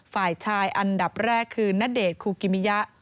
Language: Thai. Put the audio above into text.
ฝ่ายชายอันดับแรกคือณเดชน์คูกิมิยะ